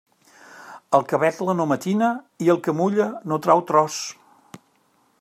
El que vetla no matina i el que mulla no trau tros.